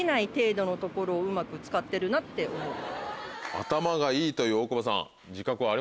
「頭がいい」という大久保さん。